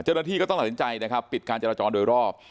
เจ้าหน้าที่ก็ต้องตัดสินใจนะครับปิดการจราจรโดยรอบ